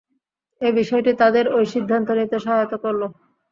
এ বিষয়টি তাদের ঐ সিদ্ধান্ত নিতে সহায়তা করল।